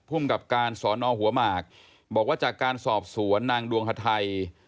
กับการสอนอหัวหมากบอกว่าจากการสอบสวนนางดวงฮาไทย